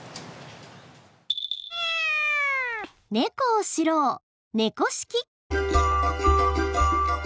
ネコを知ろう「猫識」。